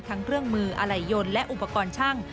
ทั้งเครื่องมืออะไหลยนและอุปกรณ์ชั่ง